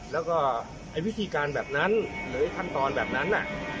แล้วก็ไอ้วิธีการแบบนั้นหรือขั้นตอนแบบนั้น